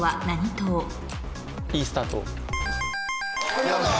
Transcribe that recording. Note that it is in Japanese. お見事！